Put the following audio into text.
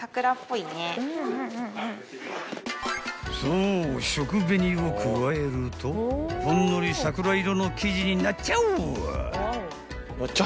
［そう食紅を加えるとほんのり桜色の生地になっちゃう］